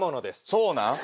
そうなん？